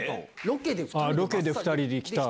ロケで２人で来た。